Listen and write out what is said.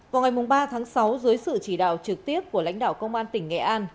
vào ngày ba tháng sáu dưới sự chỉ đạo trực tiếp của lãnh đạo công an tỉnh nghệ an